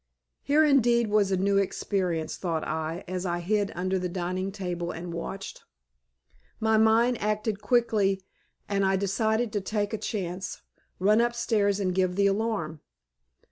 Here indeed was a new experience, thought I, as I hid under the dining room table and watched. My mind acted quickly and I decided to take a chance, run upstairs and give the alarm.